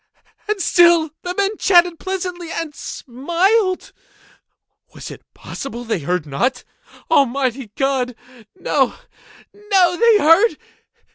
And still the men chatted pleasantly, and smiled. Was it possible they heard not? Almighty God!—no, no! They heard!